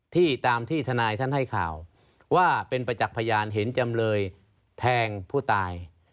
ที่ตามที่ทนายท่านให้ข่าวว่าเป็นประจักษ์พยานเห็นจำเลยแทงผู้ตาย